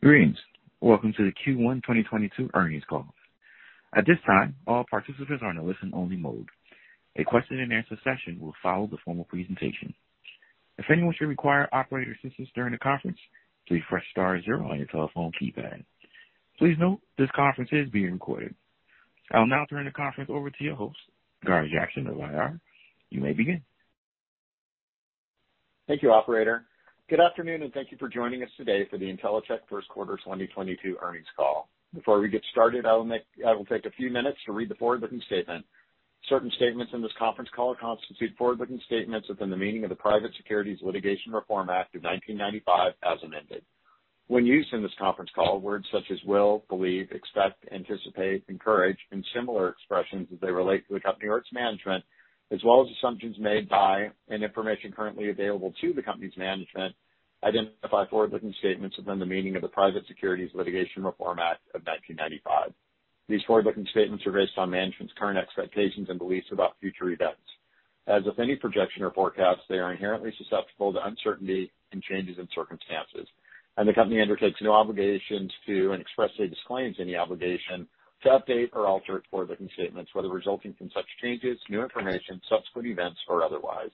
Greetings. Welcome to the Q1 2022 earnings call. At this time, all participants are in a listen-only mode. A question and answer session will follow the formal presentation. If anyone should require operator assistance during the conference, please press star zero on your telephone keypad. Please note this conference is being recorded. I will now turn the conference over to your host, Gar Jackson of IR. You may begin. Thank you, operator. Good afternoon, and thank you for joining us today for the Intellicheck Q1 2022 earnings call. Before we get started, I will take a few minutes to read the forward-looking statement. Certain statements in this conference call constitute forward-looking statements within the meaning of the Private Securities Litigation Reform Act of 1995 as amended. When used in this conference call, words such as will, believe, expect, anticipate, encourage and similar expressions as they relate to the company or its management, as well as assumptions made by and information currently available to the company's management, identify forward-looking statements within the meaning of the Private Securities Litigation Reform Act of 1995. These forward-looking statements are based on management's current expectations and beliefs about future events. As with any projection or forecast, they are inherently susceptible to uncertainty and changes in circumstances. The company undertakes no obligations to and expressly disclaims any obligation to update or alter its forward-looking statements, whether resulting from such changes, new information, subsequent events or otherwise.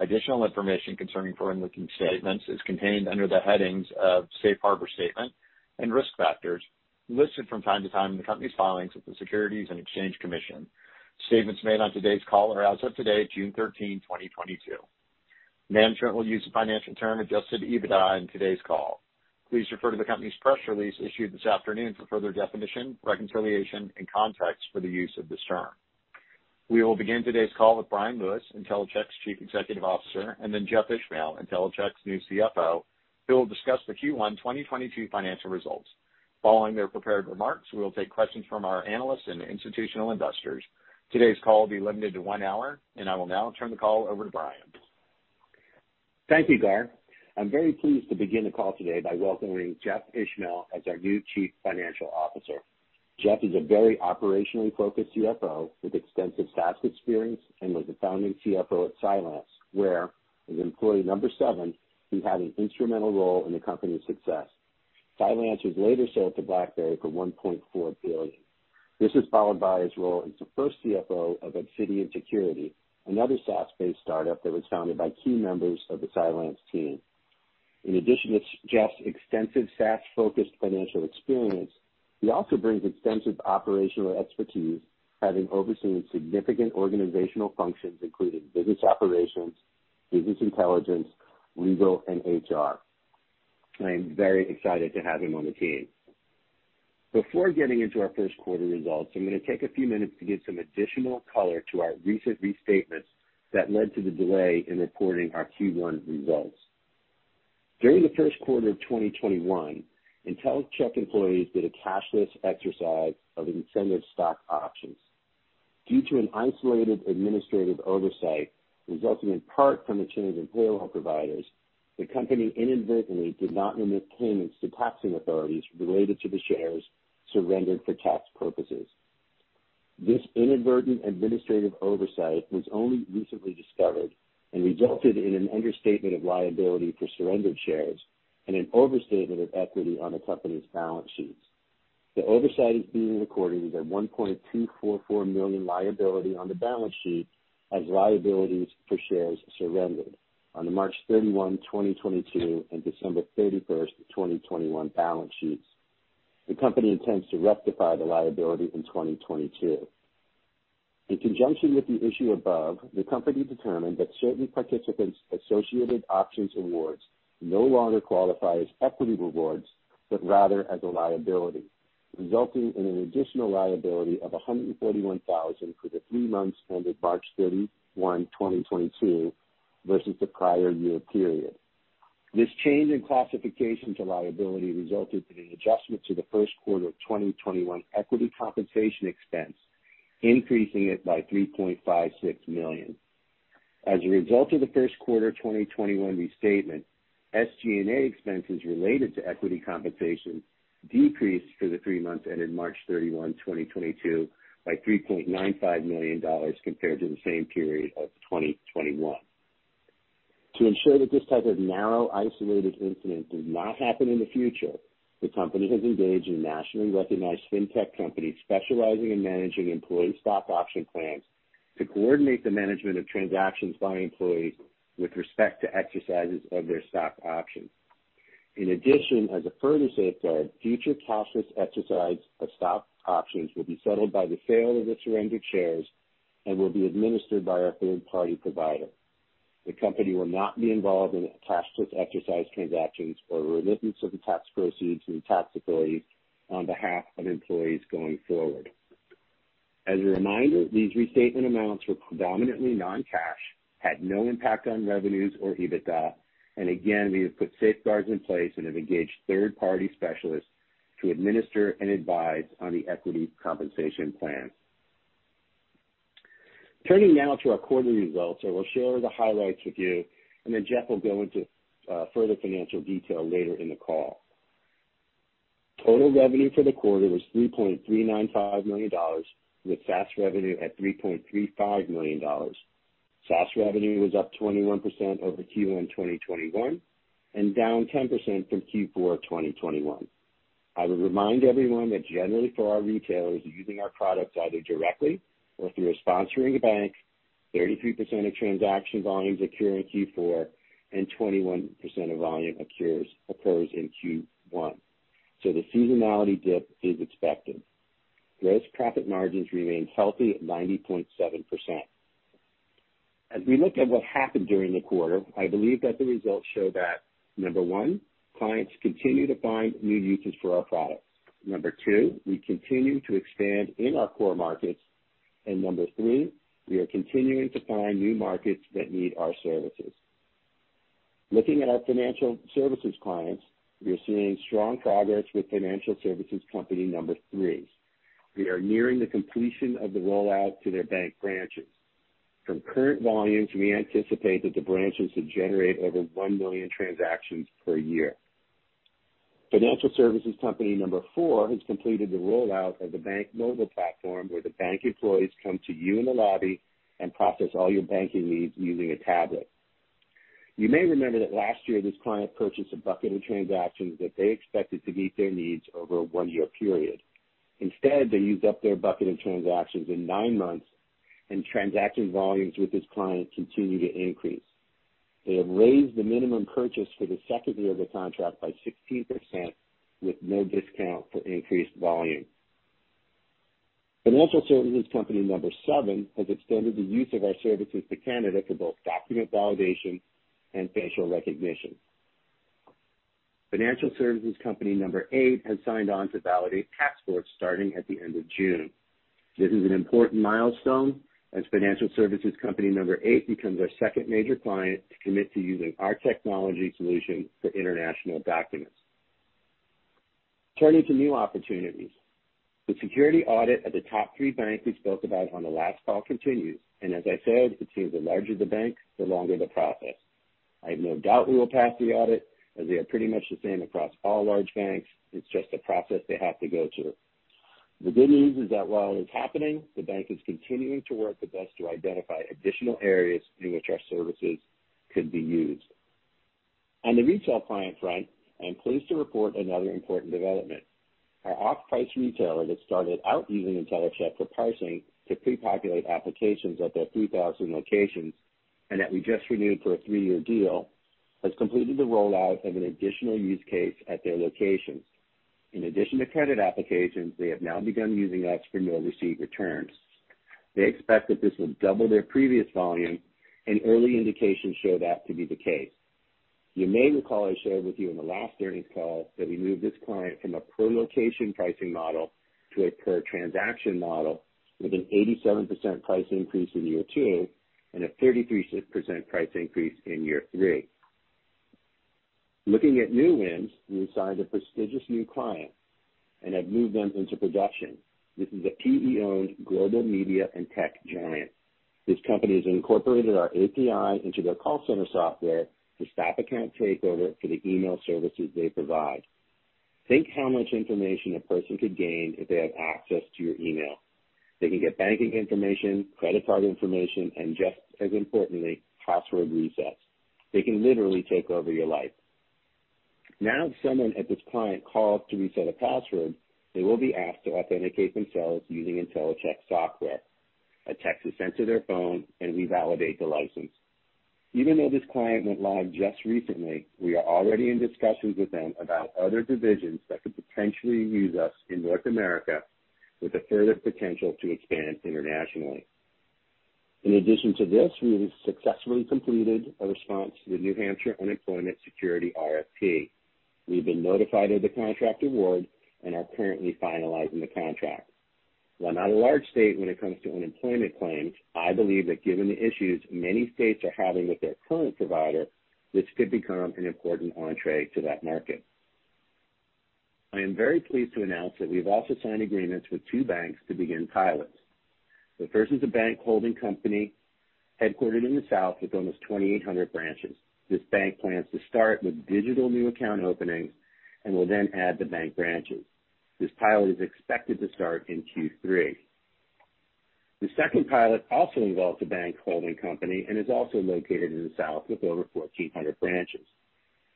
Additional information concerning forward-looking statements is contained under the headings of Safe Harbor Statement and Risk Factors listed from time to time in the company's filings with the Securities and Exchange Commission. Statements made on today's call are as of today, June 13, 2022. Management will use the financial term adjusted EBITDA in today's call. Please refer to the company's press release issued this afternoon for further definition, reconciliation, and context for the use of this term. We will begin today's call with Bryan Lewis, Intellicheck's Chief Executive Officer, and then Jeff Ishmael, Intellicheck's new CFO, who will discuss the Q1 2022 financial results. Following their prepared remarks, we will take questions from our analysts and institutional investors. Today's call will be limited to one hour, and I will now turn the call over to Bryan. Thank you, Garr. I'm very pleased to begin the call today by welcoming Jeff Ishmael as our new Chief Financial Officer. Jeff is a very operationally focused CFO with extensive SaaS experience and was the founding CFO at Cylance, where as employee number 7, he had an instrumental role in the company's success. Cylance was later sold to BlackBerry for $1.4 billion. This was followed by his role as the first CFO of Obsidian Security, another SaaS-based startup that was founded by key members of the Cylance team. In addition to Jeff's extensive SaaS-focused financial experience, he also brings extensive operational expertise, having overseen significant organizational functions including business operations, business intelligence, legal and HR. I am very excited to have him on the team. Before getting into our Q1 results, I'm gonna take a few minutes to give some additional color to our recent restatements that led to the delay in reporting our Q1 results. During the Q1 of 2021, Intellicheck employees did a cashless exercise of incentive stock options. Due to an isolated administrative oversight resulting in part from a change in payroll providers, the company inadvertently did not remit payments to taxing authorities related to the shares surrendered for tax purposes. This inadvertent administrative oversight was only recently discovered and resulted in an understatement of liability for surrendered shares and an overstatement of equity on the company's balance sheets. The oversight is being recorded as a $1.244 million liability on the balance sheet as liabilities for shares surrendered on the March 31, 2022 and December 31, 2021 balance sheets. The company intends to rectify the liability in 2022. In conjunction with the issue above, the company determined that certain participants' associated options awards no longer qualify as equity rewards, but rather as a liability, resulting in an additional liability of $141,000 for the three months ended March 31, 2022 versus the prior year period. This change in classification to liability resulted in an adjustment to the Q1 of 2021 equity compensation expense, increasing it by $3.56 million. As a result of the Q1 2021 restatement, SG&A expenses related to equity compensation decreased for the three months ended March 31, 2022 by $3.95 million compared to the same period of 2021. To ensure that this type of narrow, isolated incident does not happen in the future, the company has engaged a nationally recognized fintech company specializing in managing employee stock option plans to coordinate the management of transactions by employees with respect to exercises of their stock options. In addition, as a further safeguard, future cashless exercise of stock options will be settled by the sale of the surrendered shares and will be administered by our third-party provider. The company will not be involved in cashless exercise transactions or remittance of the tax proceeds to the tax authorities on behalf of employees going forward. As a reminder, these restatement amounts were predominantly non-cash, had no impact on revenues or EBITDA. Again, we have put safeguards in place and have engaged third-party specialists to administer and advise on the equity compensation plan. Turning now to our quarterly results, I will share the highlights with you, and then Jeff will go into, further financial detail later in the call. Total revenue for the quarter was $3.395 million, with SaaS revenue at $3.35 million. SaaS revenue was up 21% over Q1 2021 and down 10% from Q4 2021. I would remind everyone that generally for our retailers using our products either directly or through a sponsoring bank, 33% of transaction volumes occur in Q4, and 21% of volume occurs in Q1. The seasonality dip is expected. Gross profit margins remained healthy at 90.7%. As we look at what happened during the quarter, I believe that the results show that, number one, clients continue to find new uses for our products. Number 2, we continue to expand in our core markets. Number 3, we are continuing to find new markets that need our services. Looking at our financial services clients, we are seeing strong progress with financial services company number 3. We are nearing the completion of the rollout to their bank branches. From current volumes, we anticipate that the branches should generate over 1 million transactions per year. Financial services company number 4 has completed the rollout of the bank mobile platform, where the bank employees come to you in the lobby and process all your banking needs using a tablet. You may remember that last year this client purchased a bucket of transactions that they expected to meet their needs over a 1-year period. Instead, they used up their bucket of transactions in 9 months, and transaction volumes with this client continue to increase. They have raised the minimum purchase for the second year of the contract by 16% with no discount for increased volume. Financial services company number seven has extended the use of our services to Canada for both document validation and facial recognition. Financial services company number eight has signed on to validate passports starting at the end of June. This is an important milestone as financial services company number eight becomes our second major client to commit to using our technology solution for international documents. Turning to new opportunities. The security audit at the top three bank we spoke about on the last call continues. As I said, it seems the larger the bank, the longer the process. I have no doubt we will pass the audit as they are pretty much the same across all large banks. It's just a process they have to go through. The good news is that while it's happening, the bank is continuing to work with us to identify additional areas in which our services could be used. On the retail client front, I am pleased to report another important development. Our off-price retailer that started out using Intellicheck for pricing to prepopulate applications at their 3,000 locations and that we just renewed for a three-year deal, has completed the rollout of an additional use case at their locations. In addition to credit applications, they have now begun using us for no receipt returns. They expect that this will double their previous volume, and early indications show that to be the case. You may recall I shared with you in the last earnings call that we moved this client from a per location pricing model to a per transaction model with an 87% price increase in year two and a 33% price increase in year three. Looking at new wins, we've signed a prestigious new client and have moved them into production. This is a PE-owned global media and tech giant. This company has incorporated our API into their call center software to stop account takeover for the email services they provide. Think how much information a person could gain if they have access to your email. They can get banking information, credit card information and just as importantly, password resets. They can literally take over your life. Now if someone at this client calls to reset a password, they will be asked to authenticate themselves using Intellicheck software. A text is sent to their phone, and we validate the license. Even though this client went live just recently, we are already in discussions with them about other divisions that could potentially use us in North America with a further potential to expand internationally. In addition to this, we have successfully completed a response to the New Hampshire Employment Security RFP. We've been notified of the contract award and are currently finalizing the contract. While not a large state when it comes to unemployment claims, I believe that given the issues many states are having with their current provider, this could become an important entree to that market. I am very pleased to announce that we've also signed agreements with two banks to begin pilots. The first is a bank holding company headquartered in the South with almost 2,800 branches. This bank plans to start with digital new account openings and will then add the bank branches. This pilot is expected to start in Q3. The second pilot also involves a bank holding company and is also located in the South with over 1,400 branches.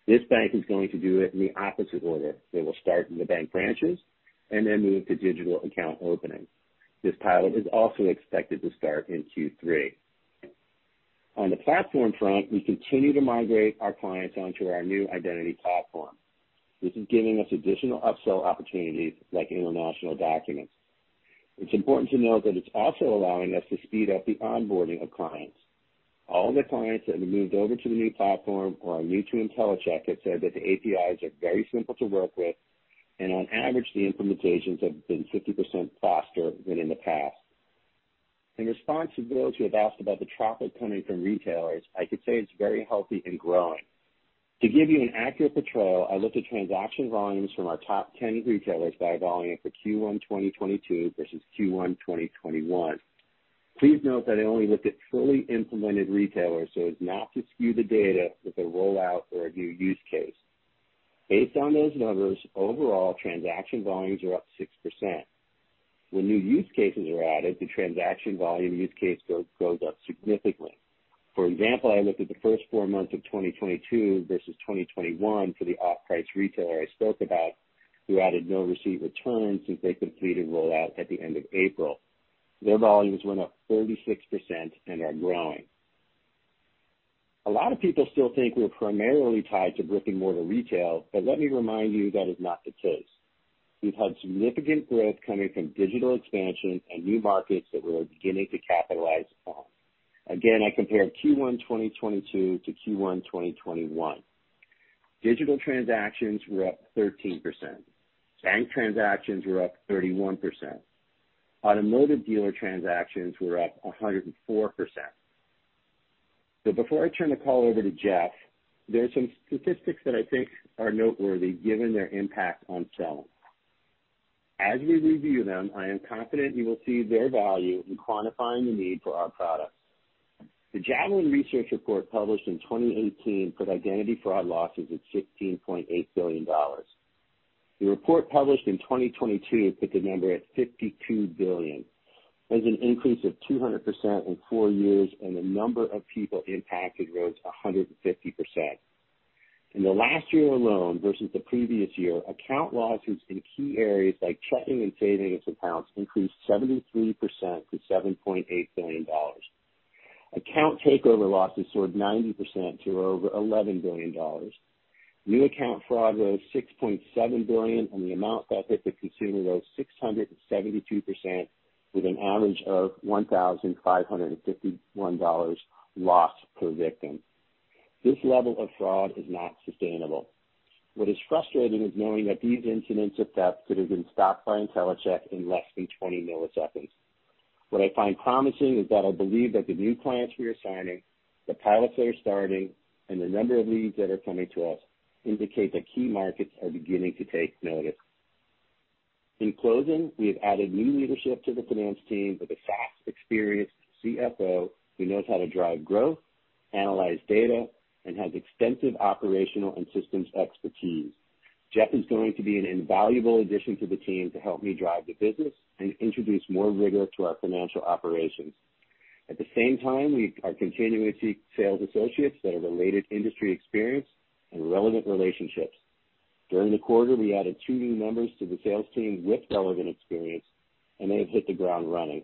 This bank is going to do it in the opposite order. They will start in the bank branches and then move to digital account openings. This pilot is also expected to start in Q3. On the platform front, we continue to migrate our clients onto our new Identity Platform. This is giving us additional upsell opportunities like international documents. It's important to note that it's also allowing us to speed up the onboarding of clients. All the clients that have moved over to the new platform are new to Intellicheck have said that the APIs are very simple to work with, and on average the implementations have been 50% faster than in the past. In response to those who have asked about the traffic coming from retailers, I could say it's very healthy and growing. To give you an accurate portrayal, I looked at transaction volumes from our top 10 retailers by volume for Q1 2022 versus Q1 2021. Please note that I only looked at fully implemented retailers so as not to skew the data with a rollout or a new use case. Based on those numbers, overall transaction volumes are up 6%. When new use cases are added, the transaction volume use case goes up significantly. For example, I looked at the first four months of 2022 versus 2021 for the off-price retailer I spoke about, who added no-receipt returns since they completed rollout at the end of April. Their volumes went up 36% and are growing. A lot of people still think we're primarily tied to brick-and-mortar retail, but let me remind you that is not the case. We've had significant growth coming from digital expansion and new markets that we are beginning to capitalize on. Again, I compared Q1 2022 to Q1 2021. Digital transactions were up 13%. Bank transactions were up 31%. Automotive dealer transactions were up 104%. Before I turn the call over to Jeff, there are some statistics that I think are noteworthy given their impact on selling. As we review them, I am confident you will see their value in quantifying the need for our products. The Javelin Strategy & Research report published in 2018 put identity fraud losses at $16.8 billion. The report published in 2022 put the number at $52 billion. That is an increase of 200% in four years, and the number of people impacted rose 150%. In the last year alone versus the previous year, account losses in key areas like checking and savings accounts increased 73% to $7.8 billion. Account takeover losses soared 90% to over $11 billion. New account fraud rose $6.7 billion, and the amount that hit the consumer rose 672% with an average of $1,551 lost per victim. This level of fraud is not sustainable. What is frustrating is knowing that these incidents of theft could have been stopped by Intellicheck in less than 20 milliseconds. What I find promising is that I believe that the new clients we are signing, the pilots that are starting, and the number of leads that are coming to us indicate that key markets are beginning to take notice. In closing, we have added new leadership to the finance team with a vastly experienced CFO who knows how to drive growth, analyze data, and has extensive operational and systems expertise. Jeff is going to be an invaluable addition to the team to help me drive the business and introduce more rigor to our financial operations. At the same time, we are continuing to seek sales associates that have related industry experience and relevant relationships. During the quarter, we added two new members to the sales team with relevant experience, and they have hit the ground running.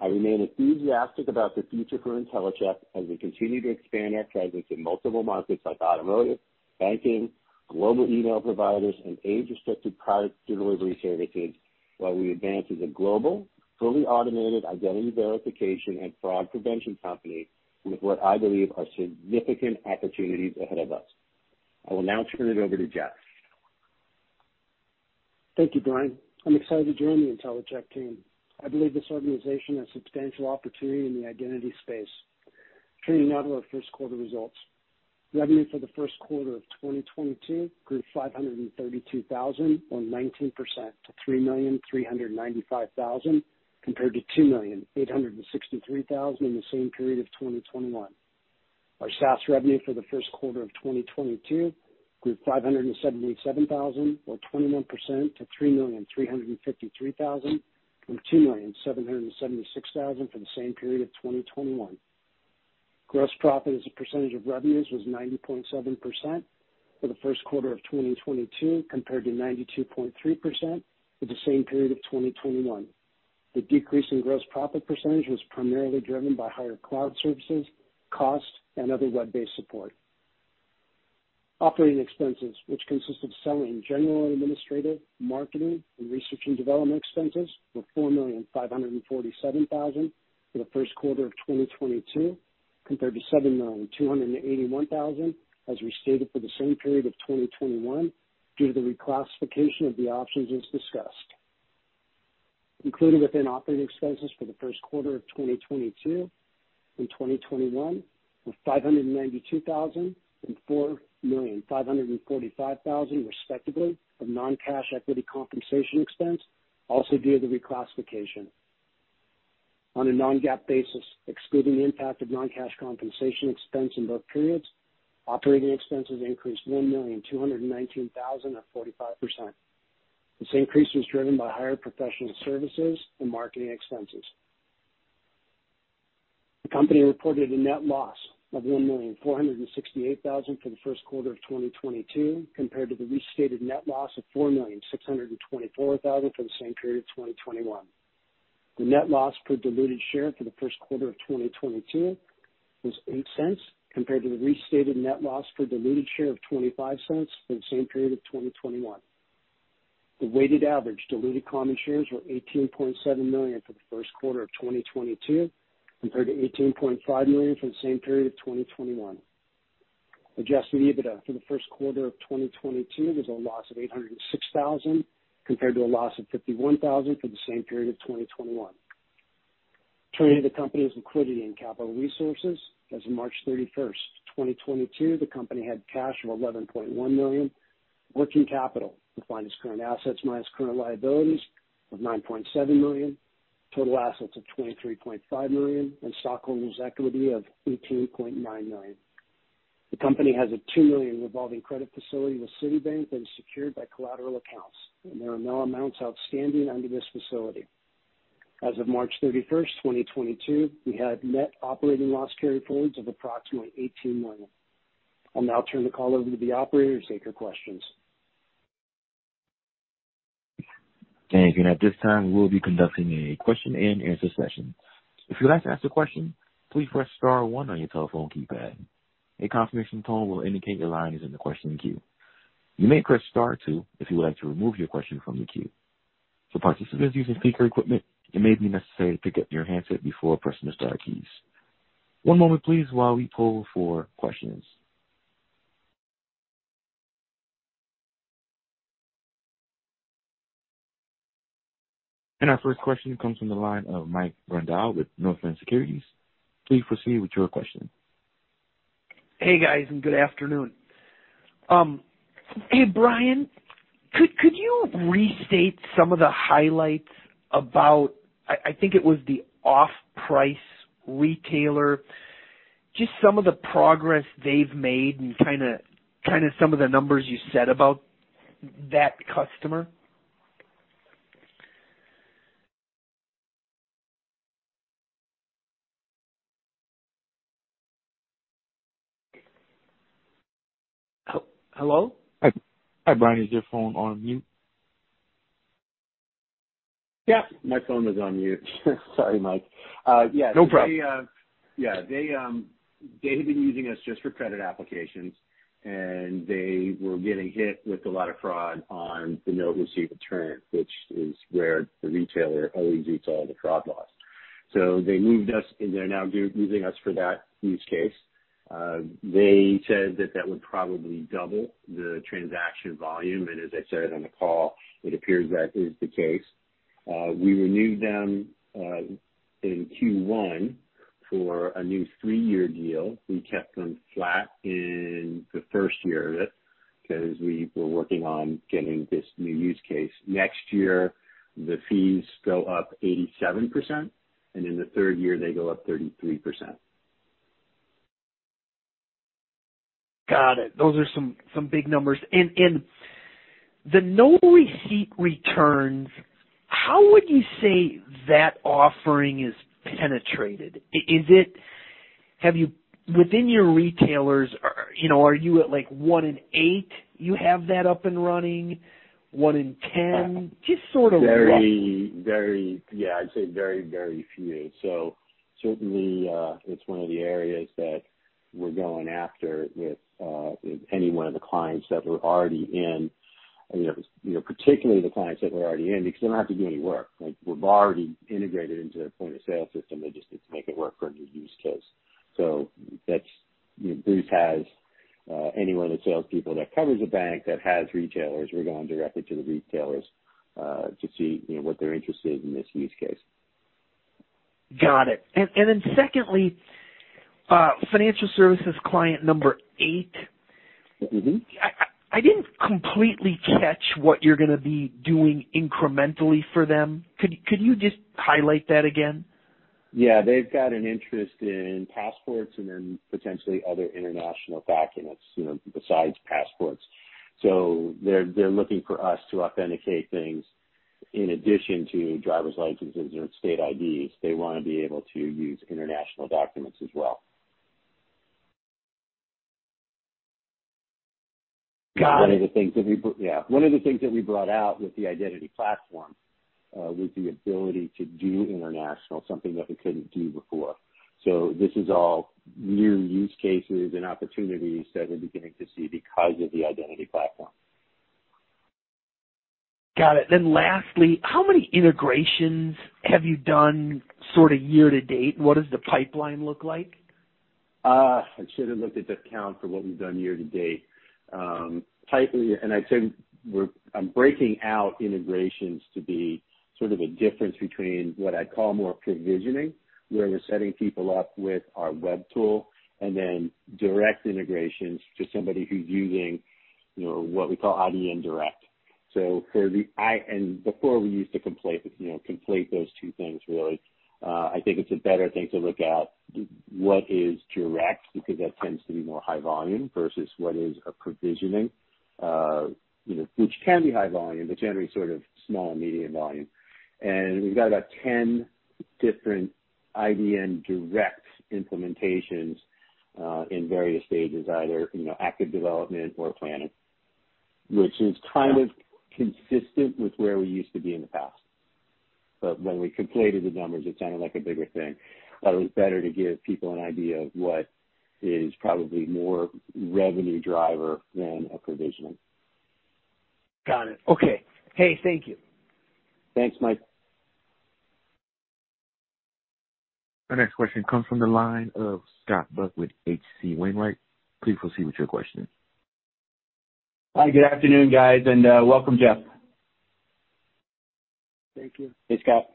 I remain enthusiastic about the future for Intellicheck as we continue to expand our presence in multiple markets like automotive, banking, global email providers, and age-restricted product delivery services while we advance as a global, fully automated identity verification and fraud prevention company with what I believe are significant opportunities ahead of us. I will now turn it over to Jeff. Thank you, Bryan. I'm excited to join the Intellicheck team. I believe this organization has substantial opportunity in the identity space. Turning now to our Q1 results. Revenue for the Q1 of 2022 grew $532,000, or 19%, to $3.395 million, compared to $2.863 million in the same period of 2021. Our SaaS revenue for the Q1 of 2022 grew $577,000, or 21%, to $3.353 million from $2.776 million for the same period of 2021. Gross profit as a percentage of revenues was 90.7% for the Q1 of 2022, compared to 92.3% for the same period of 2021. The decrease in gross profit percentage was primarily driven by higher cloud services, cost, and other web-based support. Operating expenses, which consist of selling, general and administrative, marketing, and research and development expenses, were $4.547 million for the Q1 of 2022, compared to $7.281 million as restated for the same period of 2021 due to the reclassification of the options as discussed. Included within operating expenses for the Q1 of 2022 and 2021 were $592,000 and $4.545 million, respectively, of non-cash equity compensation expense, also via the reclassification. On a non-GAAP basis, excluding the impact of non-cash compensation expense in both periods, operating expenses increased $1.219 million, or 45%. This increase was driven by higher professional services and marketing expenses. The company reported a net loss of $1.468 million for the Q1 of 2022, compared to the restated net loss of $4.624 million for the same period of 2021. The net loss per diluted share for the Q1 of 2022 was $0.08, compared to the restated net loss per diluted share of $0.25 for the same period of 2021. The weighted average diluted common shares were 18.7 million for the Q1 of 2022, compared to 18.5 million for the same period of 2021. Adjusted EBITDA for the Q1 of 2022 was a loss of $806,000, compared to a loss of $51,000 for the same period of 2021. Turning to the company's liquidity and capital resources, as of March 31, 2022, the company had cash of $11.1 million. Working capital defines current assets minus current liabilities of $9.7 million, total assets of $23.5 million and stockholders' equity of $18.9 million. The company has a $2 million revolving credit facility with Citibank that is secured by collateral accounts, and there are no amounts outstanding under this facility. As of March 31, 2022, we had net operating loss carryforwards of approximately $18 million. I'll now turn the call over to the operator to take your questions. Thank you. At this time, we'll be conducting a question-and-answer session. If you'd like to ask a question, please press star one on your telephone keypad. A confirmation tone will indicate your line is in the questioning queue. You may press star two if you would like to remove your question from the queue. For participants using speaker equipment, it may be necessary to pick up your handset before pressing the star keys. One moment please while we poll for questions. Our first question comes from the line of Mike Grondahl with Northland Capital Markets. Please proceed with your question. Hey, guys, and good afternoon. Hey, Bryan, could you restate some of the highlights about, I think it was the off-price retailer, just some of the progress they've made and kinda some of the numbers you said about that customer. He-hello? Hi. Hi, Bryan. Is your phone on mute? Yeah, my phone was on mute. Sorry, Mike. Yeah. No problem. They had been using us just for credit applications, and they were getting hit with a lot of fraud on the no receipt return, which is where the retailer always eats all the fraud loss. They moved us, and they're now using us for that use case. They said that would probably double the transaction volume, and as I said on the call, it appears that is the case. We renewed them in Q1 for a new three-year deal. We kept them flat in the first year of it because we were working on getting this new use case. Next year, the fees go up 87%, and in the third year, they go up 33%. Got it. Those are some big numbers. The no receipt returns, how would you say that offering is penetrated? Within your retailers, you know, are you at, like, one in eight, you have that up and running, one in ten? Just sort of roughly. Yeah, I'd say very, very few. Certainly, it's one of the areas that we're going after with any one of the clients that we're already in. You know, particularly the clients that we're already in, because they don't have to do any work. Like, we're already integrated into their point-of-sale system. They just need to make it work for a new use case. That's. You know, Bruce has any one of the salespeople that covers a bank that has retailers. We're going directly to the retailers to see, you know, what they're interested in this use case. Got it. Secondly, financial services client number eight. Mm-hmm. I didn't completely catch what you're gonna be doing incrementally for them. Could you just highlight that again? Yeah. They've got an interest in passports and then potentially other international documents, you know, besides passports. They're looking for us to authenticate things in addition to driver's licenses or state IDs. They wanna be able to use international documents as well. Got it. One of the things that we brought out with the Identity Platform was the ability to do international, something that we couldn't do before. This is all new use cases and opportunities that we're beginning to see because of the Identity Platform. Got it. Lastly, how many integrations have you done sort of year to date? What does the pipeline look like? I should have looked at the count for what we've done year to date. I'd say I'm breaking out integrations to be sort of a difference between what I'd call more provisioning, where we're setting people up with our web tool, and then direct integrations to somebody who's using, you know, what we call IDN-Direct. Before we used to, you know, conflate those two things, really. I think it's a better thing to look at what is direct, because that tends to be more high volume versus what is a provisioning, you know, which can be high volume, but generally sort of small and medium volume. We've got about 10 different IDN-Direct implementations in various stages, either, you know, active development or planning, which is kind of consistent with where we used to be in the past. When we conflated the numbers, it sounded like a bigger thing. Thought it was better to give people an idea of what is probably more revenue driver than a provisioning. Got it. Okay. Hey, thank you. Thanks, Mike. Our next question comes from the line of Scott Buck with H.C. Wainwright. Please proceed with your question. Hi, good afternoon, guys, and welcome, Jeff. Thank you. Hey, Scott.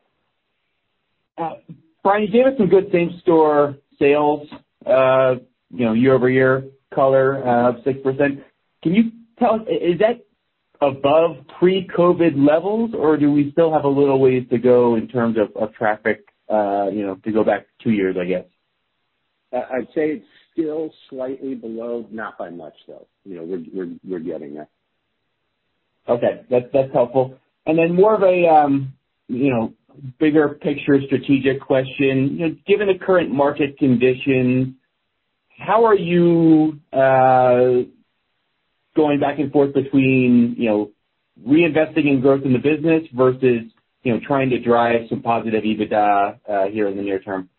Brian, you gave us some good same-store sales, you know, year-over-year color of 6%. Can you tell us, is that above pre-COVID levels, or do we still have a little ways to go in terms of traffic, you know, to go back two years, I guess? I'd say it's still slightly below. Not by much, though. You know, we're getting there. Okay. That's helpful. More of a, you know, bigger picture strategic question. You know, given the current market conditions, how are you going back and forth between, you know, reinvesting in growth in the business versus, you know, trying to drive some positive EBITDA here in the near term?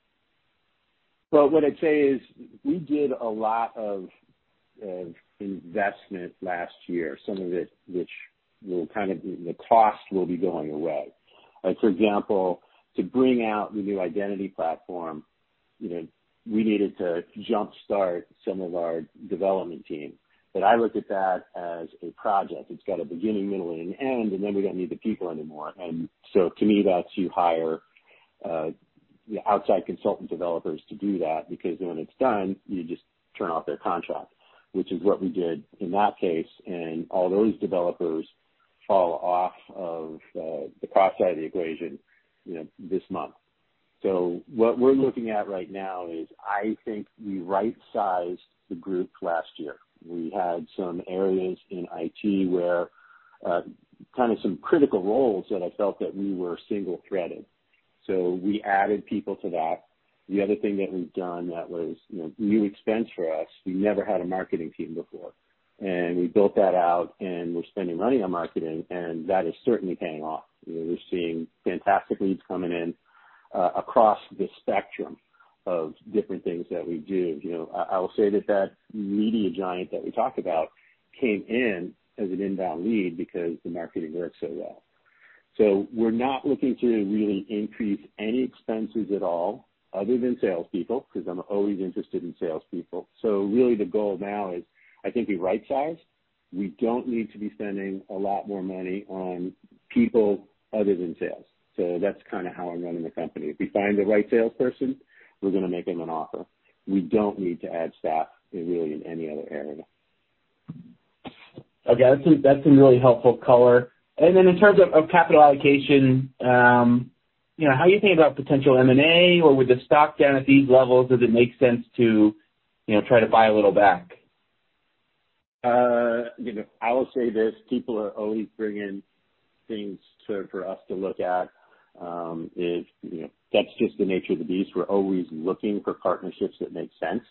What I'd say is we did a lot of investment last year, some of it which will kind of, the cost will be going away. For example, to bring out the new Identity Platform, you know, we needed to jump-start some of our development team. I look at that as a project. It's got a beginning, middle, and an end, and then we don't need the people anymore. To me, that's you hire outside consultant developers to do that, because when it's done, you just turn off their contract, which is what we did in that case. All those developers fall off of the cost side of the equation, you know, this month. What we're looking at right now is, I think we right-sized the group last year. We had some areas in IT where, kind of some critical roles that I felt that we were single-threaded. We added people to that. The other thing that we've done that was, you know, new expense for us, we never had a marketing team before. We built that out, and we're spending money on marketing, and that is certainly paying off. You know, we're seeing fantastic leads coming in, across the spectrum of different things that we do. You know, I will say that that media giant that we talked about came in as an inbound lead because the marketing works so well. We're not looking to really increase any expenses at all other than salespeople, 'cause I'm always interested in salespeople. Really the goal now is, I think we right-sized. We don't need to be spending a lot more money on people other than sales. That's kinda how I'm running the company. If we find the right salesperson, we're gonna make them an offer. We don't need to add staff really in any other area. Okay. That's some really helpful color. Then in terms of capital allocation, you know, how are you think about potential M&A, or with the stock down at these levels, does it make sense to, you know, try to buy a little back? You know, I will say this, people are always bringing things to us for us to look at. You know, that's just the nature of the beast. We're always looking for partnerships that make sense.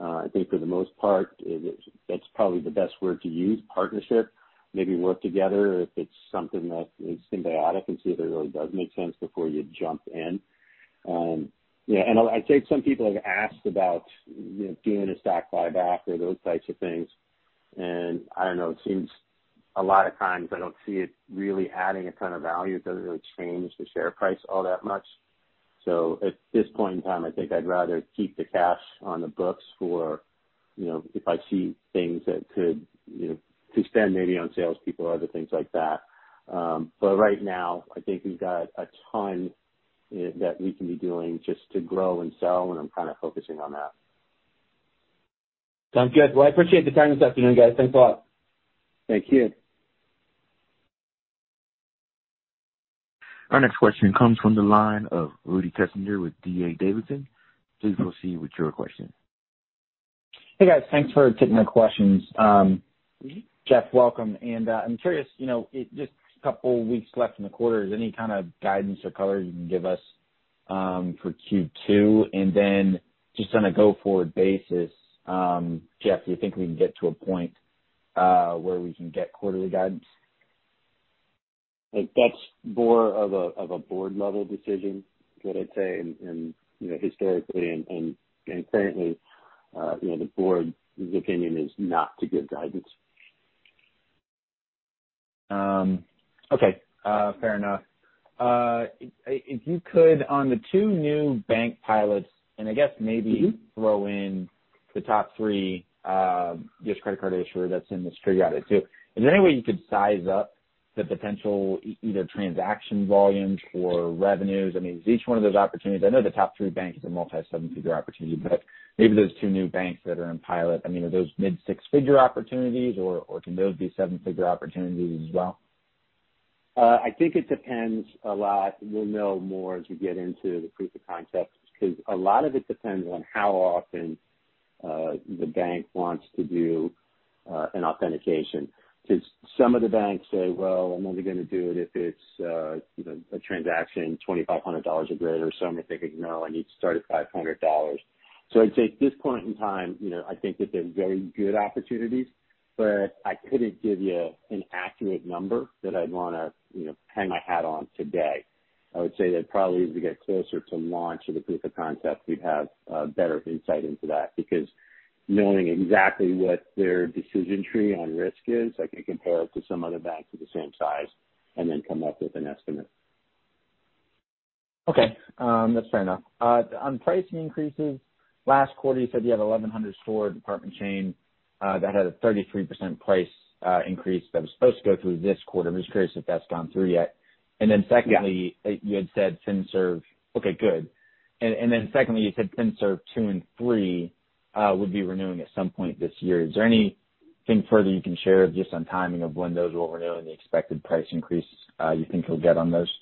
I think for the most part, it is, that's probably the best word to use, partnership. Maybe work together if it's something that is symbiotic and see if it really does make sense before you jump in. Yeah, I'd say some people have asked about, you know, doing a stock buyback or those types of things, and I don't know, it seems a lot of times I don't see it really adding a ton of value. It doesn't really change the share price all that much. At this point in time, I think I'd rather keep the cash on the books for, you know, if I see things that could, you know, to spend maybe on salespeople or other things like that. Right now I think we've got a ton that we can be doing just to grow and sell, and I'm kind of focusing on that. Sounds good. Well, I appreciate the time this afternoon, guys. Thanks a lot. Thank you. Our next question comes from the line of Rudy Kessinger with D.A. Davidson & Co. Please proceed with your question. Hey, guys. Thanks for taking my questions. Jeff, welcome. I'm curious, you know, just a couple weeks left in the quarter, is there any kind of guidance or color you can give us, for Q2? Just on a go-forward basis, Jeff, do you think we can get to a point, where we can get quarterly guidance? Like, that's more of a board-level decision, is what I'd say. You know, historically and currently, you know, the board's opinion is not to give guidance. Okay. Fair enough. If you could, on the two new bank pilots, and I guess maybe throw in the top three just credit card issuer that's in this trigger audit too, is there any way you could size up the potential either transaction volumes or revenues? I mean, is each one of those opportunities. I know the top three banks is a multi-seven-figure opportunity, but maybe those two new banks that are in pilot, I mean, are those mid six-figure opportunities or can those be seven-figure opportunities as well? I think it depends a lot. We'll know more as we get into the proof of concept because a lot of it depends on how often the bank wants to do an authentication. Since some of the banks say, "Well, I'm only gonna do it if it's, you know, a transaction $2,500 or greater." Some are thinking, "No, I need to start at $500." I'd say at this point in time, you know, I think that they're very good opportunities, but I couldn't give you an accurate number that I'd wanna, you know, hang my hat on today. I would say that probably as we get closer to launch or the proof of concept, we'd have better insight into that. Because knowing exactly what their decision tree on risk is, I can compare it to some other banks of the same size and then come up with an estimate. Okay. That's fair enough. On pricing increases, last quarter you said you had 1,100 store department chain that had a 33% price increase that was supposed to go through this quarter. I'm just curious if that's gone through yet. Then secondly- Yeah. You had said FinServ. Okay, good. Secondly, you said FinServ two and three would be renewing at some point this year. Is there anything further you can share just on timing of when those will renew and the expected price increase you think you'll get on those?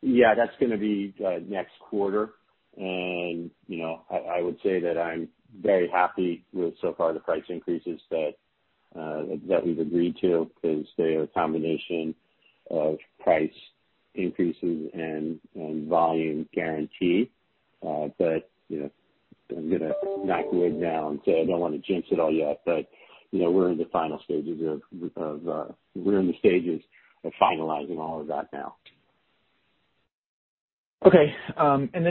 Yeah, that's gonna be next quarter. You know, I would say that I'm very happy with, so far, the price increases that we've agreed to because they are a combination of price increases and volume guarantee. You know, I'm gonna knock wood now and say I don't wanna jinx it all yet, but you know, we're in the stages of finalizing all of that now. Okay.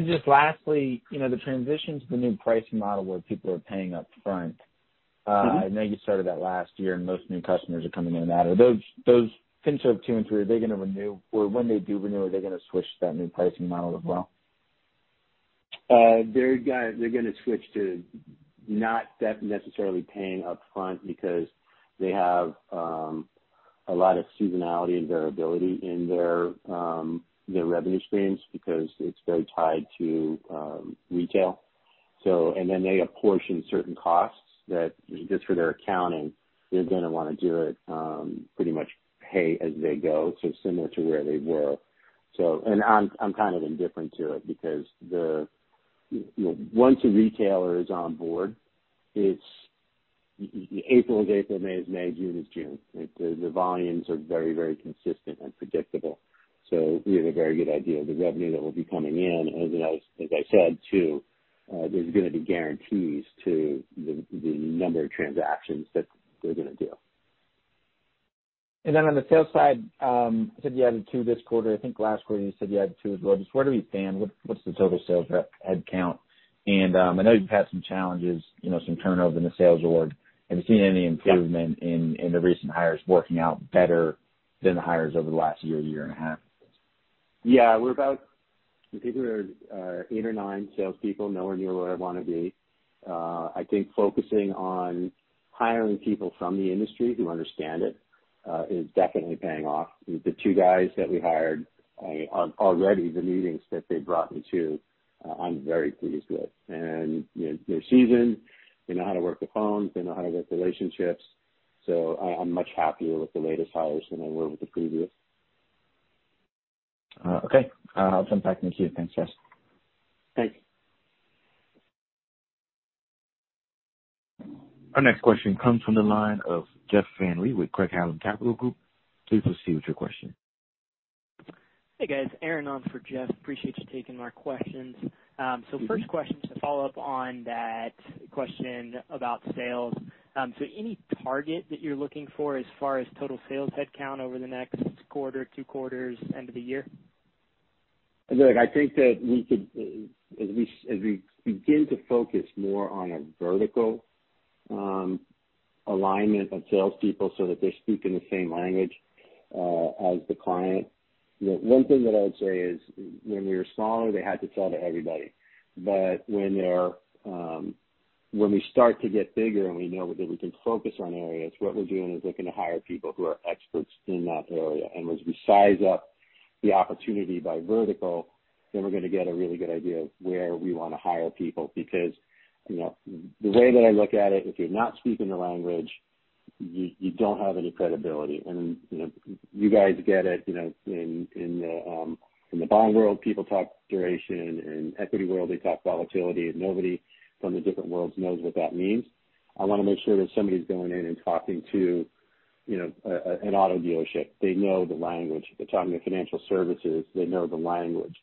Just lastly, you know, the transition to the new pricing model where people are paying up front. Mm-hmm. I know you started that last year and most new customers are coming in on that. Are those FinServ two and three, are they gonna renew? Or when they do renew, are they gonna switch to that new pricing model as well? They're gonna switch to not that necessarily paying upfront because they have a lot of seasonality and variability in their revenue streams because it's very tied to retail. They apportion certain costs that just for their accounting, they're gonna wanna do it pretty much pay as they go, so similar to where they were. I'm kind of indifferent to it because the you know, once a retailer is on board, it's April is April, May is May, June is June. The volumes are very very consistent and predictable. We have a very good idea of the revenue that will be coming in. As I said too, there's gonna be guarantees to the number of transactions that we're gonna do. Then on the sales side, you said you added 2 this quarter. I think last quarter you said you added 2 as well. Just where do we stand? What's the total sales rep headcount? I know you've had some challenges, you know, some turnover in the sales org. Have you seen any improvement? Yeah. In the recent hires working out better than the hires over the last year and a half? Yeah. We're about, I think, eight or nine salespeople, nowhere near where I wanna be. I think focusing on hiring people from the industry who understand it is definitely paying off. The two guys that we hired already, the meetings that they've brought me to, I'm very pleased with. You know, they're seasoned, they know how to work the phones, they know how to build relationships. I'm much happier with the latest hires than I were with the previous. Okay. I'll come back to you. Thanks, Jeff Van Rhee. Thanks. Our next question comes from the line of Jeff Van Rhee with Craig-Hallum Capital Group. Please proceed with your question. Hey, guys. Aaron on for Jeff. Appreciate you taking our questions. First question, just to follow up on that question about sales. Any target that you're looking for as far as total sales headcount over the next quarter, two quarters, end of the year? Look, I think that we could, as we begin to focus more on a vertical alignment of salespeople so that they're speaking the same language as the client. You know, one thing that I would say is when we were smaller, they had to sell to everybody. When we start to get bigger and we know that we can focus on areas, what we're doing is looking to hire people who are experts in that area. As we size up the opportunity by vertical, then we're gonna get a really good idea of where we wanna hire people. Because, you know, the way that I look at it, if you're not speaking the language, you don't have any credibility. You know, you guys get it, you know, in the bond world, people talk duration. In equity world, they talk volatility. Nobody from the different worlds knows what that means. I wanna make sure that somebody's going in and talking to, you know, an auto dealership. They know the language. They're talking to financial services, they know the language.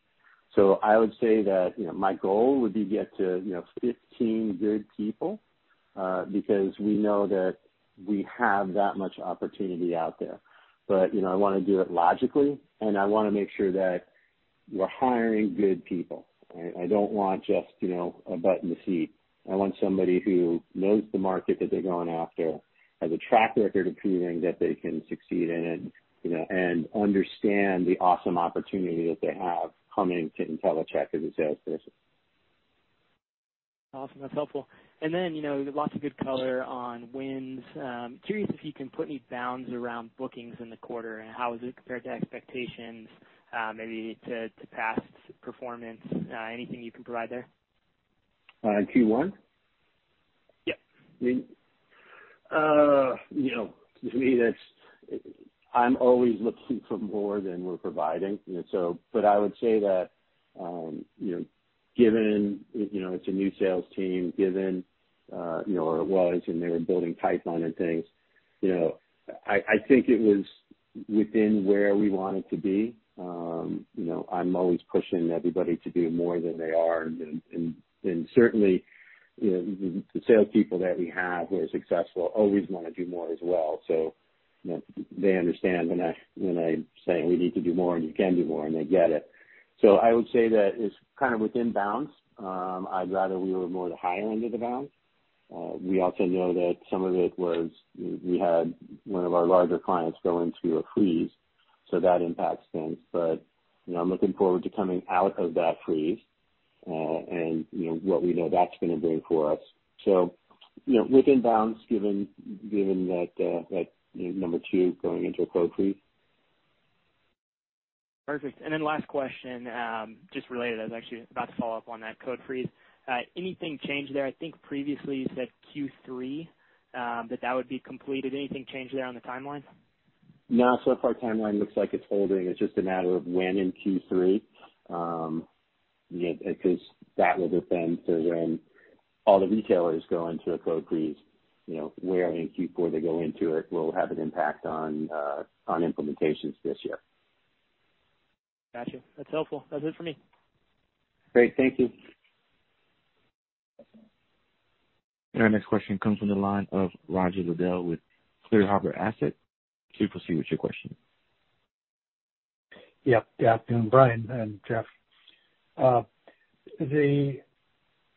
I would say that, you know, my goal would be get to, you know, 15 good people, because we know that we have that much opportunity out there. You know, I wanna do it logically, and I wanna make sure that we're hiring good people. I don't want just, you know, a butt in the seat. I want somebody who knows the market that they're going after, has a track record of proving that they can succeed in it, you know, and understand the awesome opportunity that they have coming to Intellicheck as a sales person. Awesome. That's helpful. You know, lots of good color on wins. Curious if you can put any bounds around bookings in the quarter and how was it compared to expectations, maybe to past performance. Anything you can provide there? Q1? Yeah. You know, to me, that's. I'm always looking for more than we're providing, you know, so I would say that, you know, given, you know, it's a new sales team, given, you know, or it was, and they were building pipeline and things, you know, I think it was within where we want it to be. You know, I'm always pushing everybody to do more than they are. And certainly, you know, the salespeople that we have who are successful always wanna do more as well. You know, they understand when I say we need to do more and you can do more, and they get it. I would say that it's kind of within bounds. I'd rather we were more the higher end of the bounds. We also know that some of it was we had one of our larger clients go into a freeze, so that impacts things. You know, I'm looking forward to coming out of that freeze, and you know, what we know that's gonna bring for us. You know, within bounds given that that you know number two going into a code freeze. Perfect. Last question, just related, I was actually about to follow up on that code freeze. Anything change there? I think previously you said Q3, that would be completed. Anything change there on the timeline? No. So far timeline looks like it's holding. It's just a matter of when in Q3. You know, because that will depend on when all the retailers go into a code freeze. You know, whether in Q4 they go into it will have an impact on implementations this year. Gotcha. That's helpful. That's it for me. Great. Thank you. Our next question comes from the line of D. Roger B. Liddell with Clear Harbor Asset Management. Please proceed with your question. Yeah, good afternoon, Bryan and Jeffrey.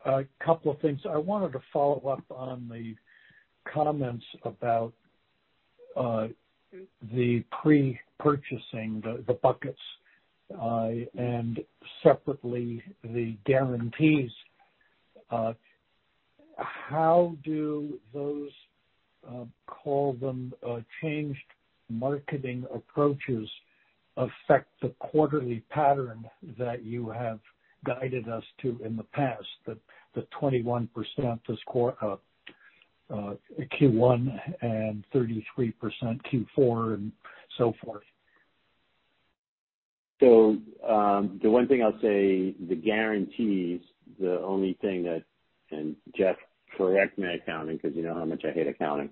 A couple of things. I wanted to follow up on the comments about the pre-purchasing, the buckets, and separately the guarantees. How do those, call them, changed marketing approaches affect the quarterly pattern that you have guided us to in the past? The 21% Q1 and 33% Q4 and so forth. Jeff, correct me on accounting because you know how much I hate accounting.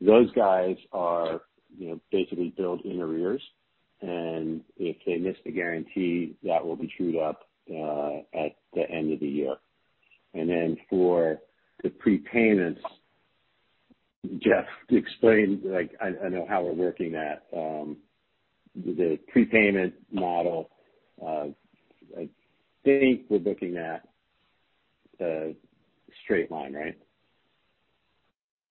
Those guys are, you know, basically billed in arrears, and if they miss the guarantee, that will be trued up at the end of the year. For the prepayments, Jeff, explain, like I know how we're working that. The prepayment model, I think we're looking at straight line, right?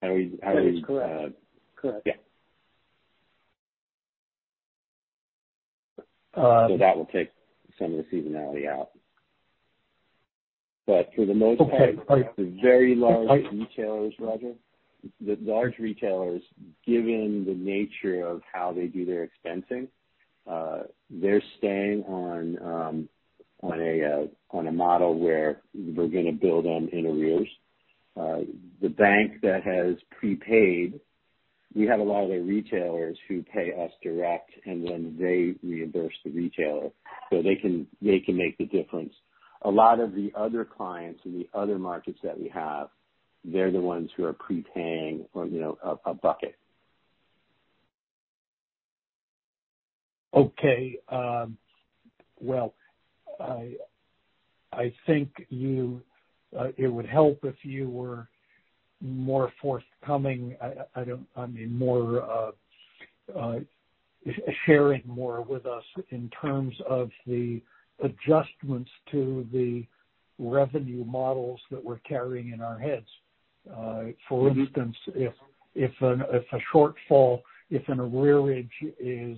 How do we That is correct. Correct. Yeah. That will take some of the seasonality out. For the most part. Okay. The large retailers, Roger, given the nature of how they do their expensing, they're staying on a model where we're gonna bill in arrears. The bank that has prepaid, we have a lot of the retailers who pay us direct, and then they reimburse the retailer so they can make the difference. A lot of the other clients in the other markets that we have, they're the ones who are prepaying or you know, a bucket. Okay. Well, I think it would help if you were more forthcoming, I mean, sharing more with us in terms of the adjustments to the revenue models that we're carrying in our heads. For instance, if a shortfall, if an arrearage is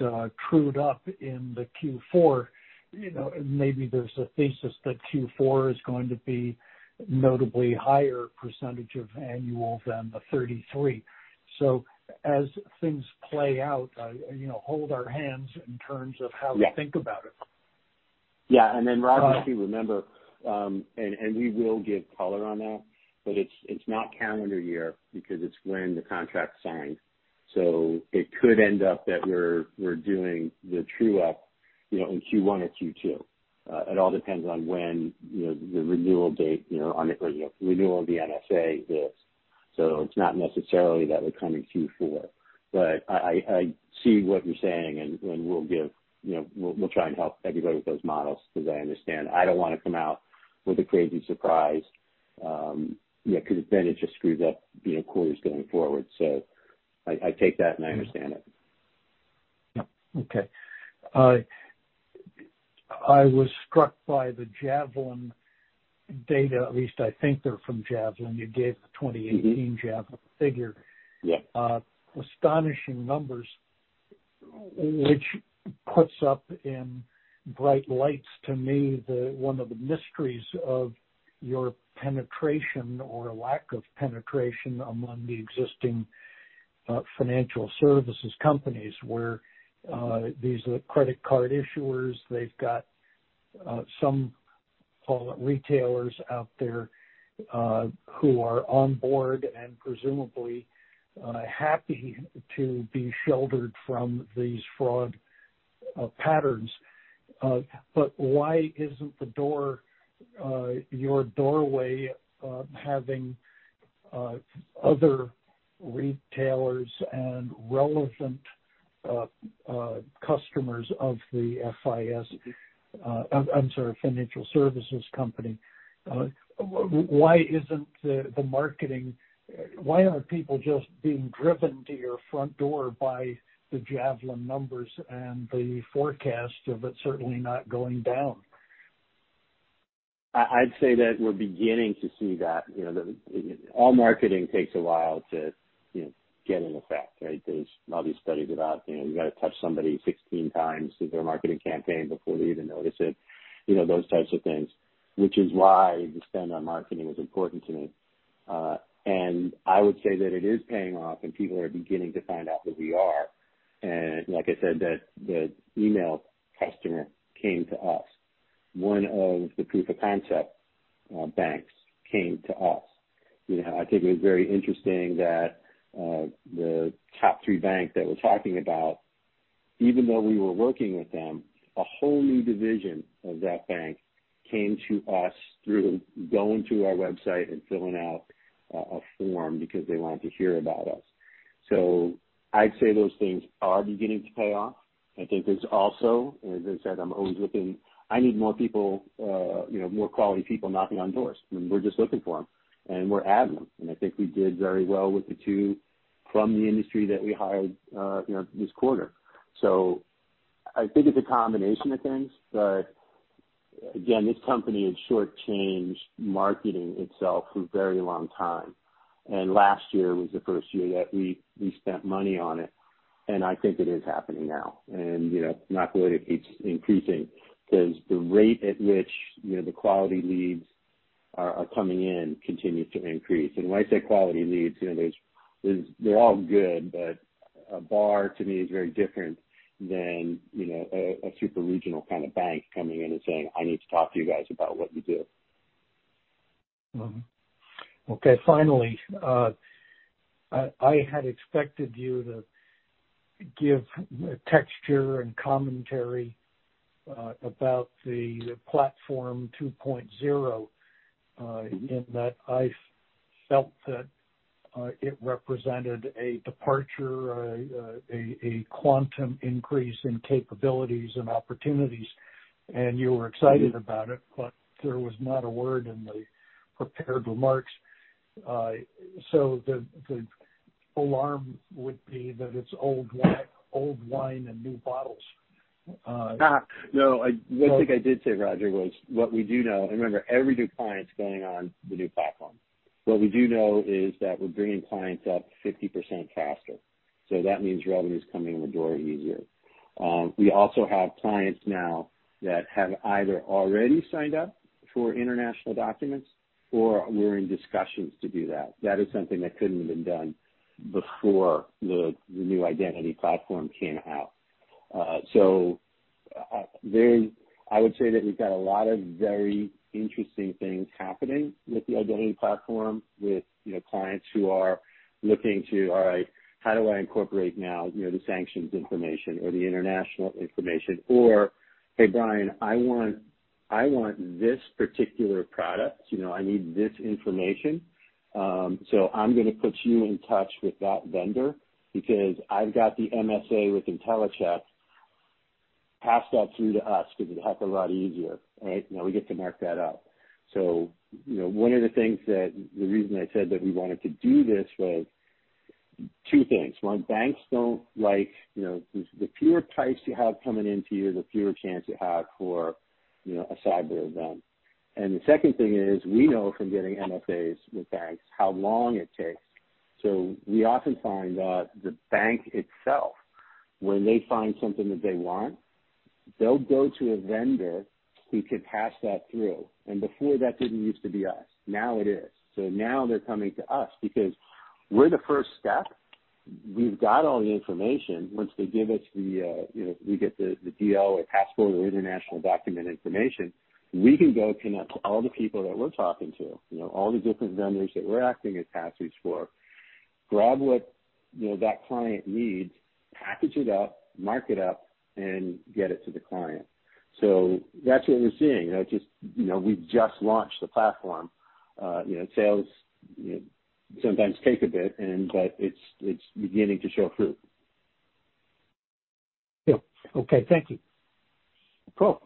trued up in Q4, you know, maybe there's a thesis that Q4 is going to be notably higher percentage of annual than the 33%. As things play out, you know, hold our hands in terms of how. Yeah. We think about it. Yeah. Then Roger Liddell, if you remember, and we will give color on that, but it's not calendar year because it's when the contract's signed. It could end up that we're doing the true up, you know, in Q1 or Q2. It all depends on when you know the renewal date you know on the you know renewal of the MSA is. It's not necessarily that we're coming Q4, but I see what you're saying and we'll give you know we'll try and help everybody with those models because I understand. I don't wanna come out with a crazy surprise you know because then it just screws up the inquiries going forward. I take that, and I understand it. Okay. I was struck by the Javelin data, at least I think they're from Javelin. You gave the 2018- Mm-hmm. Javelin figure. Yeah. Astonishing numbers, which puts up in bright lights to me the one of the mysteries of your penetration or lack of penetration among the existing financial services companies, where these credit card issuers, they've got some, call it retailers out there who are on board and presumably happy to be sheltered from these fraud patterns. Why isn't the door your doorway having other retailers and relevant customers of the FIS, I'm sorry, financial services company. Why isn't the marketing. Why aren't people just being driven to your front door by the Javelin numbers and the forecast of it certainly not going down? I'd say that we're beginning to see that, you know, all marketing takes a while to, you know, get an effect, right? There's all these studies about, you know, you gotta touch somebody 16 times through their marketing campaign before they even notice it, you know, those types of things, which is why the spend on marketing is important to me. I would say that it is paying off and people are beginning to find out who we are. Like I said, the email customer came to us. One of the proof of concept banks came to us. You know, I think it was very interesting that the top three banks that we're talking about, even though we were working with them, a whole new division of that bank came to us through going to our website and filling out a form because they wanted to hear about us. I'd say those things are beginning to pay off. I think there's also. As I said, I'm always looking. I need more people, you know, more quality people knocking on doors, and we're just looking for them, and we're adding them. I think we did very well with the two from the industry that we hired, you know, this quarter. I think it's a combination of things, but again, this company had shortchanged marketing itself for a very long time. Last year was the first year that we spent money on it, and I think it is happening now. You know, knock wood, it keeps increasing because the rate at which, you know, the quality leads are coming in continues to increase. When I say quality leads, you know, there's. They're all good, but a bar to me is very different than, you know, a super regional kind of bank coming in and saying, "I need to talk to you guys about what you do. Okay. Finally, I had expected you to give texture and commentary about the Platform 2.0, in that I felt that it represented a departure, a quantum increase in capabilities and opportunities, and you were excited about it, but there was not a word in the prepared remarks. The alarm would be that it's old wine in new bottles. Ha. No. One thing I did say, Roger, was what we do know. Remember, every new client's going on the new platform. What we do know is that we're bringing clients up 50% faster. So that means revenue is coming in the door easier. We also have clients now that have either already signed up for international documents or we're in discussions to do that. That is something that couldn't have been done before the new Identity Platform came out. I would say that we've got a lot of very interesting things happening with the Identity Platform, with, you know, clients who are looking to, all right, how do I incorporate now, you know, the sanctions information or the international information, or, "Hey, Bryan, I want this particular product, you know, I need this information. I'm gonna put you in touch with that vendor because I've got the MSA with Intellicheck. Pass that through to us because it's a heck of a lot easier, right? Now we get to mark that up. You know, one of the things. The reason I said that we wanted to do this was two things. One, banks don't like. You know, the fewer types you have coming into you, the fewer chance you have for, you know, a cyber event. And the second thing is, we know from getting MFAs with banks how long it takes. We often find that the bank itself, when they find something that they want, they'll go to a vendor who can pass that through. And before, that didn't used to be us. Now it is. Now they're coming to us because we're the first step. We've got all the information. Once they give us the we get the DL or passport or international document information, we can go connect to all the people that we're talking to, all the different vendors that we're acting as pass-through for, grab what that client needs, package it up, mark it up, and get it to the client. That's what we're seeing. Just we've just launched the platform. Sales sometimes take a bit and but it's beginning to show fruit. Yeah. Okay. Thank you. No problem.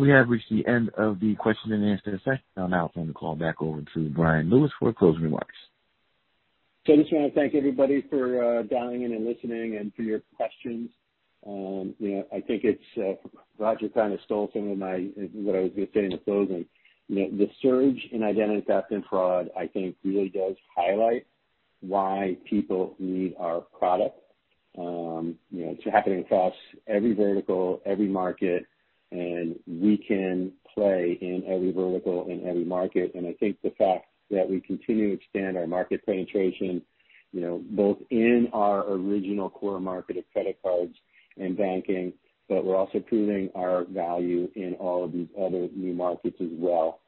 We have reached the end of the question and answer session. I'll now turn the call back over to Bryan Lewis for closing remarks. I just wanna thank everybody for dialing in and listening and for your questions. You know, I think it's Roger kinda stole some of my, what I was gonna say in the closing. You know, the surge in identity theft and fraud, I think, really does highlight why people need our product. You know, it's happening across every vertical, every market, and we can play in every vertical and every market. I think the fact that we continue to expand our market penetration, you know, both in our original core market of credit cards and banking, but we're also proving our value in all of these other new markets as well.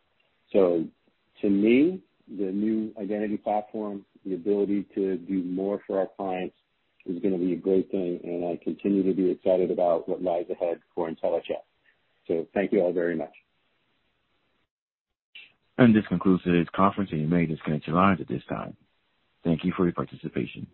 To me, the new Identity Platform, the ability to do more for our clients, is gonna be a great thing, and I continue to be excited about what lies ahead for Intellicheck. Thank you all very much. This concludes today's conference. You may disconnect your lines at this time. Thank you for your participation.